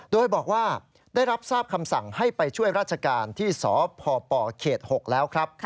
โดยบอกว่าได้รับทราบคำสั่งให้ไปช่วยราชการที่สพปเขต๖แล้วครับ